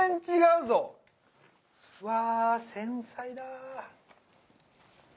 うわ繊細だ。